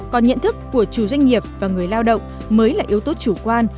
còn nhận thức của chủ doanh nghiệp và người lao động mới là yếu tố chủ quan